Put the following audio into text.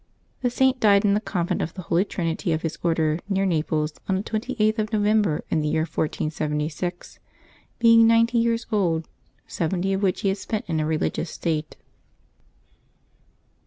The Saint died in the convent of the Holy Trinity of his Order, near Xaples, on the 28th of j^ovember, in the year 1476, being ninety years old, seventy of which he had spent in a religious state.